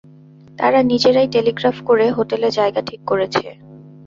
তারা নিজেরাই টেলিগ্রাফ করে হোটেলে জায়গা ঠিক করেছে।